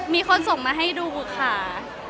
มีคนส่งมาให้ดูค่ะ